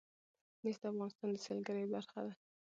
مس د افغانستان د سیلګرۍ برخه ده.